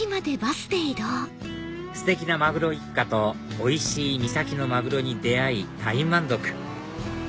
ステキなマグロ一家とおいしい三崎のマグロに出会い大満足！